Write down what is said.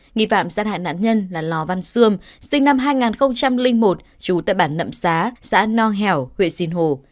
nghi phạm sát hại nạn nhân là lò văn xương sinh năm hai nghìn một trú tại bản nậm xá xã nong hẻo huyện sinh hồ